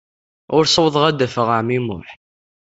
Ur ssawḍeɣ ad d-afeɣ ɛemmi Muḥ.